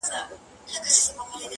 هغه غزلخُمارې ته ولاړه ده حيرانه!!